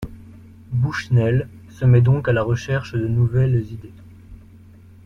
Bushnell se met donc à la recherche de nouvelles idées.